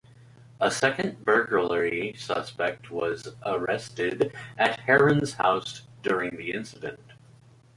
A second burglary suspect was arrested at Herron's house during the incident.